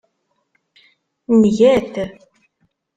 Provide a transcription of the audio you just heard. Nga-t.